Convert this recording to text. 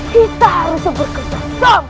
kita harus berkerjasama